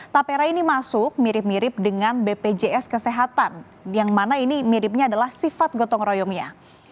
tapera ini masuk mirip mirip dengan bpjs kesehatan yang mana ini miripnya adalah sifat gotong royongnya